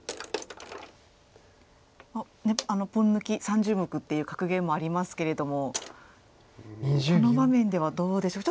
「ポン抜き３０目」っていう格言もありますけれどもこの場面ではどうでしょう。